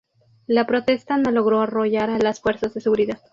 la protesta no logró arrollar a las fuerzas de seguridad